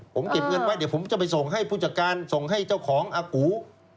ผมเก็บเงินไว้เดี๋ยวผมจะไปส่งให้ผู้จัดการส่งให้เจ้าของอากู